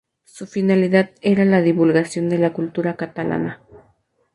Su finalidad era la divulgación de la cultura catalana.